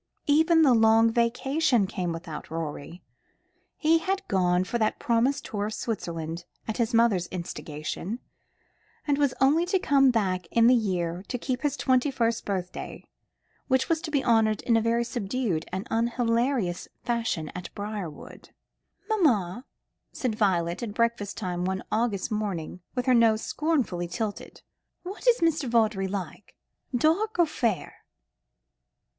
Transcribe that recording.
Even the long vacation came without Rorie. He had gone for that promised tour in Switzerland, at his mother's instigation, and was only to come back late in the year to keep his twenty first birthday, which was to be honoured in a very subdued and unhilarious fashion at Briarwood. "Mamma," said Violet, at breakfast time one August morning, with her nose scornfully tilted, "what is Mr. Vawdrey like dark or fair?"